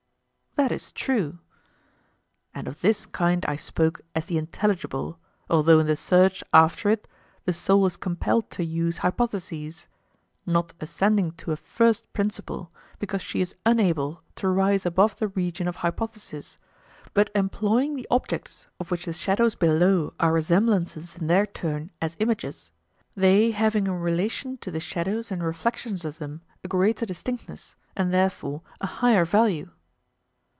That is true. And of this kind I spoke as the intelligible, although in the search after it the soul is compelled to use hypotheses; not ascending to a first principle, because she is unable to rise above the region of hypothesis, but employing the objects of which the shadows below are resemblances in their turn as images, they having in relation to the shadows and reflections of them a greater distinctness, and therefore a higher value.